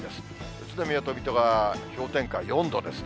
宇都宮と水戸が氷点下４度ですね。